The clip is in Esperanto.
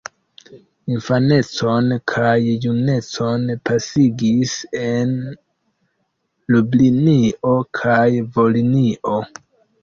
Infanecon kaj junecon pasigis en Lublinio kaj Volinio.